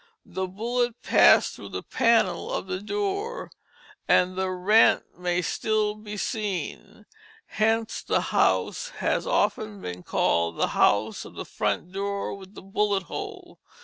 The bullet passed through the panel of the door, and the rent may still be seen. Hence the house has been often called The House of the Front Door with the Bullet Hole.